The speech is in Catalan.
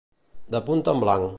De punta en blanc.